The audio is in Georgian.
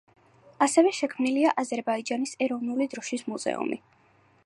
ასევე შექმნილია აზერბაიჯანის ეროვნული დროშის მუზეუმი.